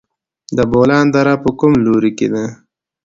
د بولان دره په کوم لوري کې ده؟